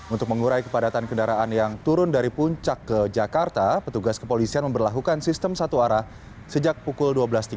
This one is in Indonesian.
untuk mengurai kepadatan kendaraan yang turun dari puncak ke jakarta petugas kepolisian memperlakukan sistem satu arah sejak pukul dua belas tiga puluh